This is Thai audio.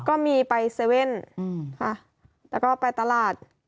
ก็มีไป๗๑๑ค่ะแล้วก็ไปตลาด